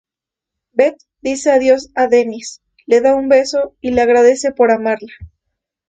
Beth dice adiós a Denis, le da un beso, y le agradece por amarla.